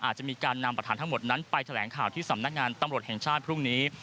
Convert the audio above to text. อาจจะมีการนำประถานทั้งหมดนั้นไปแถลงข่าวที่สงทพมลบุรี